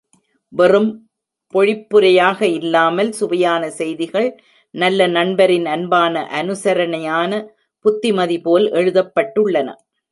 வெறும் பொழிப்புரையாக இல்லாமல், சுவையான செய்திகள், நல்ல நண்பரின் அன்பான அனுசரனணயான புத்திமதிபோல் எழுதப்பட்டுள்ளன.